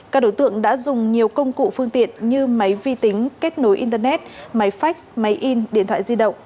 các đối tượng đã dùng nhiều công cụ phương tiện như máy vi tính kết nối internet máy phách máy in điện thoại di động